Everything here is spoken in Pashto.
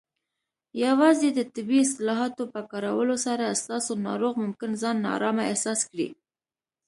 یوازې د طبي اصطلاحاتو په کارولو سره، ستاسو ناروغ ممکن ځان نارامه احساس کړي.